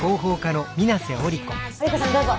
織子さんどうぞ。